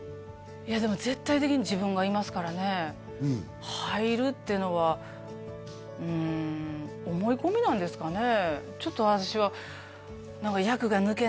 いやでも絶対的に自分がいますからね入るっていうのはうん思い込みなんですかね